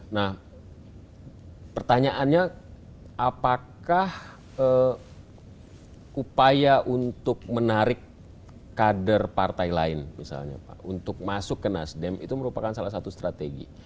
nah pertanyaannya apakah upaya untuk menarik kader partai lain misalnya pak untuk masuk ke nasdem itu merupakan salah satu strategi